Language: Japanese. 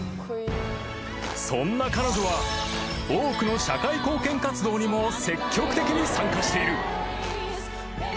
［そんな彼女は多くの社会貢献活動にも積極的に参加している］